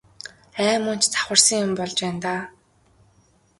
Ай мөн ч завхарсан юм болж байна даа.